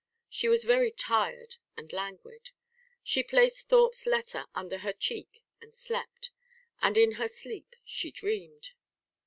She was very tired and languid. She placed Thorpe's letter under her cheek and slept; and in her sleep she dreamed.